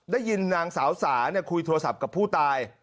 ได้ยินนางสาวสาคุยโทรศัพท์กับผู้ตาย